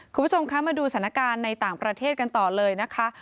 คุณผู้ชมคะมาดูสถานการณ์ในต่างประเทศกันต่อเลยนะคะ